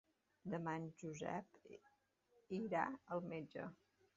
Demà en Josep irà al metge.